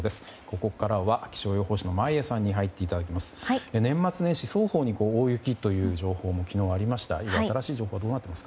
ここからは気象予報士の眞家さんに入っていただきます。